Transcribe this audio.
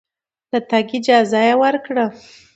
د تګ اجازه یې ورکړه.